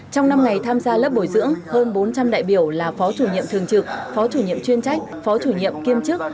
trong năm ngày tham gia lớp bồi dưỡng hơn bốn trăm linh đại biểu là phó chủ nhiệm thường trực phó chủ nhiệm chuyên trách phó chủ nhiệm kiêm chức